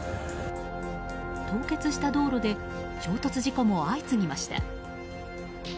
凍結した道路で衝突事故も相次ぎました。